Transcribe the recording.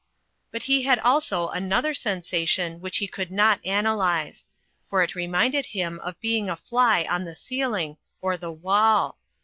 But he had also another sensation which he could not analyze; for it reminded him of being a fly on the ceiling or the wall.